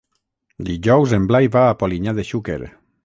Dijous en Blai va a Polinyà de Xúquer.